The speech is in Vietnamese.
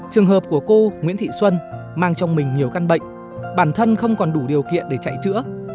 trường hợp của cô nguyễn thị xuân mang trong mình nhiều căn bệnh bản thân không còn đủ điều kiện để chạy chữa